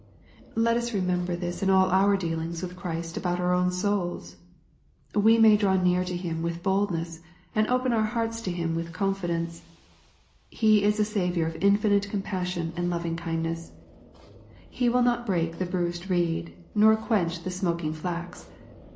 *' Let us remember this in all our dealings with Christ about our own souls. We may draw near to Him with boldness, and open our hearts to Him with confidence^ He is a Saviour of infinite compassion and loving kind^ ness. He will not break the bruised reed, nor quench the smoking flax.